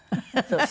そう。